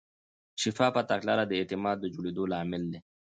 شفافه تګلاره د اعتماد د جوړېدو لامل ده.